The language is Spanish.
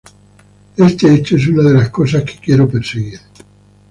Este hecho, es una de las cosas que quiero perseguir.